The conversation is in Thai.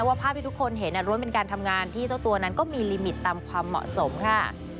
ภาพที่ทุกคนเห็นรวมเป็นการทำงานที่เจ้าตัวนั้นก็มีลิมิตตามความเหมาะสมค่ะ